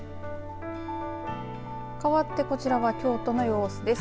かわってこちらは京都の様子です。